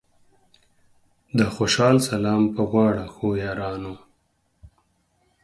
د خوشال سلام پۀ واړه ښو یارانو